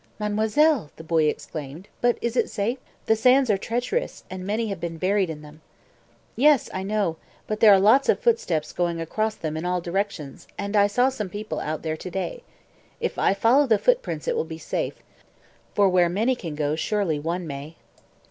"Mademoiselle!" the boy exclaimed. "But is it safe? The sands are treacherous, and many have been buried in them." "Yes; I know, but there are lots of footsteps going across them in all directions, and I saw some people out there to day. If I follow the footprints it will be safe, for where many can go surely one may."